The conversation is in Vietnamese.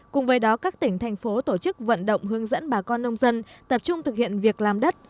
cùng với đó các tỉnh thành phố tổ chức vận động hướng dẫn bà con nông dân tập trung thực hiện việc làm đất